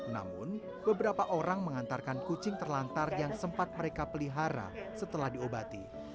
namun beberapa orang mengantarkan kucing terlantar yang sempat mereka pelihara setelah diobati